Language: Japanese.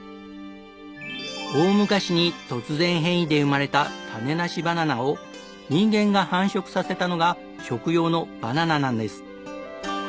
大昔に突然変異で生まれた種なしバナナを人間が繁殖させたのが食用のバナナなんです。